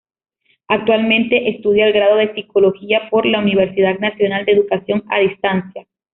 Actualmente estudia el Grado de Psicología por la Universidad Nacional de Educación a Distancia.